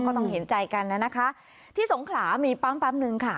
ต้องเห็นใจกันนะนะคะที่สงขลามีปั๊มปั๊มหนึ่งค่ะ